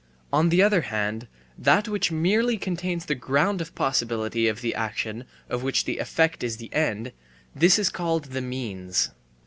On the other hand, that which merely contains the ground of possibility of the action of which the effect is the end, this is called the means.